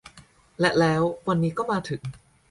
และแล้ววันนี้ก็มาถึง